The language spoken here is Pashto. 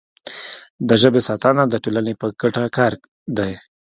د ژبې ساتنه د ټولنې په ګټه کار دی.